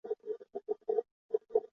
马蓝属是爵床科下的一个属。